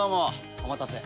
お待たせ。